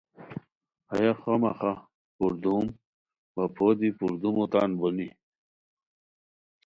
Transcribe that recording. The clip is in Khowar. ہیہ خواہ مخواہ پردوم وا پو دی پردومو تان بونی